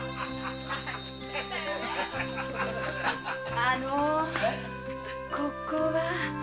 あのここは？